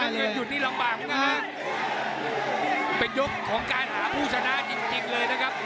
กำเงินหยุดนี่ลำบากเป็นยกของการหาผู้ชนะจริงเลยนะครับ